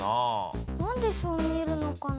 何でそう見えるのかな？